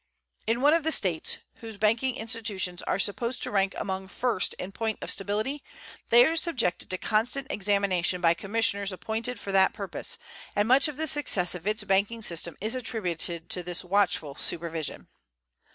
In one of the States, whose banking institutions are supposed to rank amongst the first in point of stability, they are subjected to constant examination by commissioners appointed for that purpose, and much of the success of its banking system is attributed to this watchful supervision.